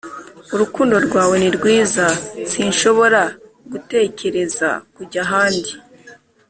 urukundo rwawe ni rwiza sinshobora gutekereza kujya ahandi